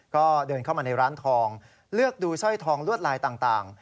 ก็เดินเข้ามาในร้านทองเลือกดูสร้อยทองลวดลายต่าง